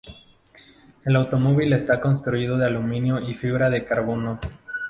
El automóvil está construido de aluminio y fibra de carbono.